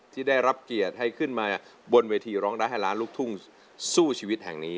ที่ได้รับเกียรติให้ขึ้นมาบนเวทีร้องได้ให้ล้านลูกทุ่งสู้ชีวิตแห่งนี้